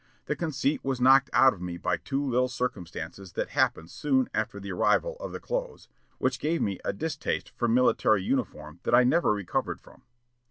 The conceit was knocked out of me by two little circumstances that happened soon after the arrival of the clothes, which gave me a distaste for military uniform that I never recovered from.